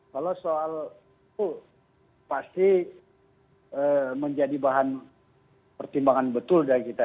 kalau soal itu pasti menjadi bahan pertimbangan betul dari kita